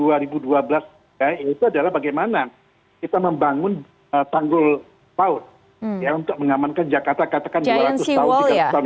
ya itu adalah bagaimana kita membangun tanggul laut ya untuk mengamankan jakarta katakan dua ratus tahun